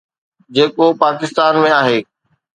جيڪو پاڪستان ۾ آهي.